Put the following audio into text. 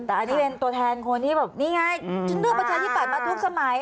แต่อันนี้เป็นตัวแทนคนที่แบบนี่ไงเรื่องประชาชนที่ตัดมาทุกสมัย